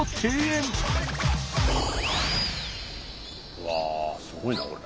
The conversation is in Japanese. うわすごいなこれ。